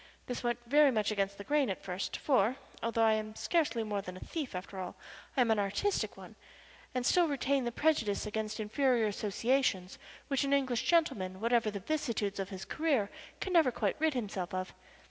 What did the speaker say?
This went very much against the grain at first, for, although I am scarcely more than a thief after all, I am an artistic one, and still retain the prejudice against inferior associations which an English gentleman whatever the vicissitudes of his career can never quite rid himself of.